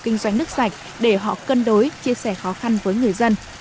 kinh doanh nước sạch để họ cân đối chia sẻ khó khăn với người dân